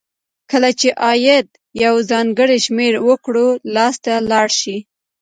کله چې عاید یو ځانګړي شمیر وګړو لاس ته لاړ شي.